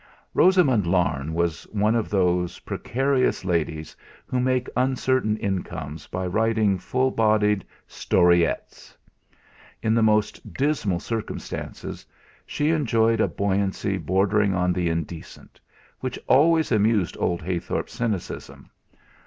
Rosamund Larne was one of those precarious ladies who make uncertain incomes by writing full bodied storyettes. In the most dismal circumstances she enjoyed a buoyancy bordering on the indecent; which always amused old Heythorp's cynicism.